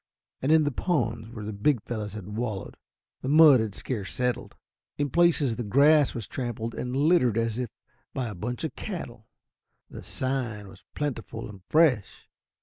And in the pools where the big fellows had wallowed, the mud had scarce settled. In places the grass was trampled and littered as if by a bunch of cattle. The "sign" was plentiful and fresh.